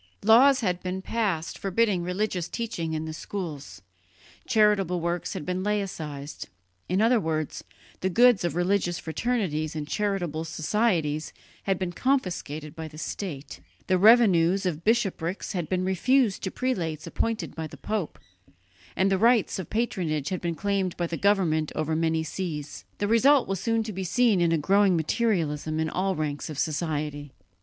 Laws had been passed forbidding religious teaching in the schools; charitable works had been "laicized": in other words, the goods of religious fraternities and charitable societies had been confiscated by the state, the revenues of bishoprics had been refused to prelates appointed by the pope, and rights of patronage had been claimed by the government over many sees. The result was soon to be seen in a growing materialism in all ranks of society.